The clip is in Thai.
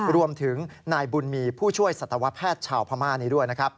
รวมถึงนายบุญมีผู้ช่วยสตภชาวพม่านี้ด้วย